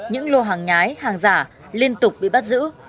những lô hàng nhái hàng giả liên tục bị bắt giữ